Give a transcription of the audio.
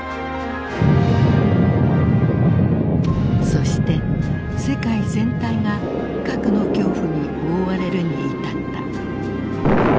そして世界全体が核の恐怖に覆われるに至った。